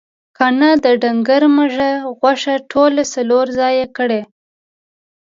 کاڼهٔ د ډنګر مږهٔ غوښه ټوله څلور ځایه کړه.